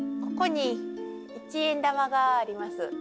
ここに一円玉があります。